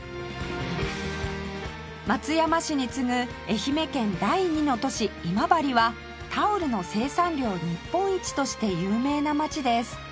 松山市に次ぐ愛媛県第２の都市今治はタオルの生産量日本一として有名な街です